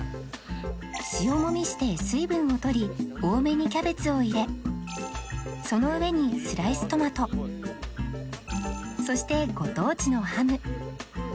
塩もみして水分をとり多めにキャベツを入れその上にスライストマトそしてご当地のハム